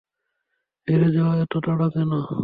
হেরে যাওয়ার এতো তাড়া কেন?